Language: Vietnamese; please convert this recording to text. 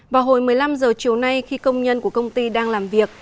vào hồi một mươi năm h chiều nay khi công nhân của công ty đang làm việc